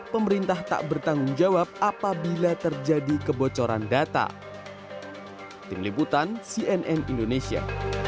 pemerintah tak bertanggung jawab apabila terjadi kebocoran data